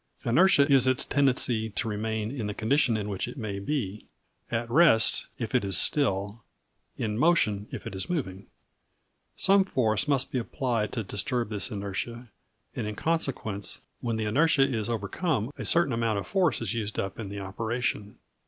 Inertia is its tendency to remain in the condition in which it may be: at rest, if it is still; in motion, if it is moving. Some force must be applied to disturb this inertia, and in consequence when the inertia is overcome a certain amount of force is used up in the operation.